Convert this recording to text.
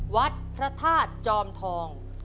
วัดพระธาตุจอมทอง